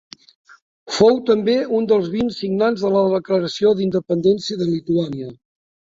Fou també un dels vint signants de la Declaració d'Independència de Lituània.